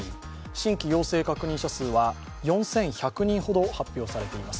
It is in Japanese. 新規陽性確認者数は４１００人ほど発表されています。